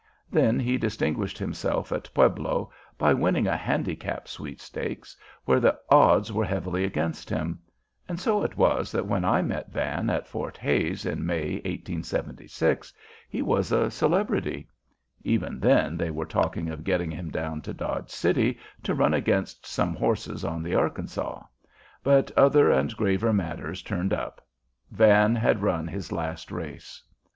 Then he distinguished himself at Pueblo by winning a handicap sweepstakes where the odds were heavy against him. And so it was that when I met Van at Fort Hays in May, 1876, he was a celebrity. Even then they were talking of getting him down to Dodge City to run against some horses on the Arkansaw; but other and graver matters turned up. Van had run his last race.